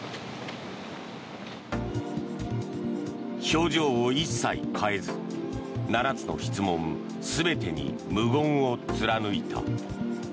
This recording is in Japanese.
表情を一切変えず７の質問全てに無言を貫いた。